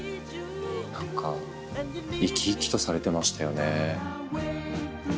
何か生き生きとされてましたよね。